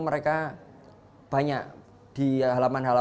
melawan rakyat islam dan fries dll